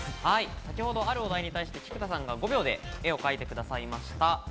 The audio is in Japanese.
先ほどあるお題に対して菊田さんが５秒で絵を描いてくれました。